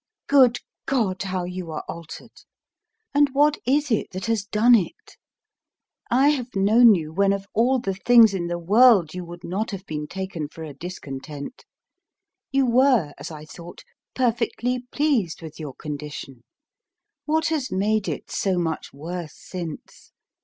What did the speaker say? Good God! how you are altered; and what is it that has done it? I have known you when of all the things in the world you would not have been taken for a discontent; you were, as I thought, perfectly pleased with your condition; what has made it so much worse since?